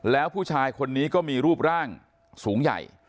แล้วผู้ชายคนนี้ก็มีรูปร่างสูงใหญ่